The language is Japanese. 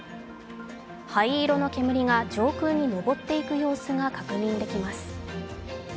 灰色の煙が上空に上っていく様子が確認できます。